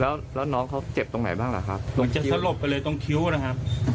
รักแล้วน้องเขาเจ็บตรงไหนบ้างเราคุณจะโทรเวลโทรภไปเลยตรงคิ้วนะฮะ